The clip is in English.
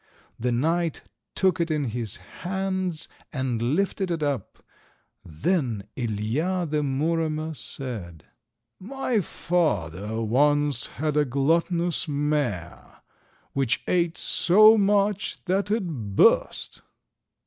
The knight took it in his hands and lifted it up. Then Ilija, the Muromer, said— "My father once had a gluttonous mare, which ate so much that it burst."